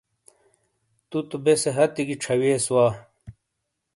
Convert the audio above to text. تو تو بیسے ہتھی گی چھاوئیس وا۔